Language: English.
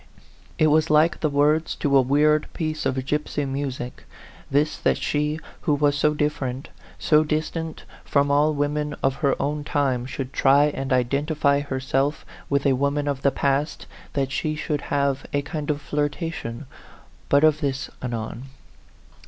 It was like the words to a weird piece of gypsy music, this that she, who was so different, so distant from all women of her own time, should try and identify herself with a woman of the past that she should A PHANTOM LOVER. 49 have a kind of flirtation But of this anon.